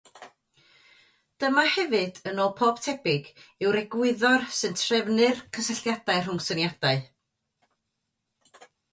Dyma hefyd, yn ôl pob tebyg, yw'r “egwyddor” sy'n trefnu'r cysylltiadau rhwng syniadau.